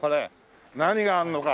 何があるのか？